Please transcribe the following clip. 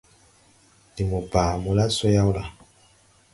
Ndi mo baa mo la so yaw la ?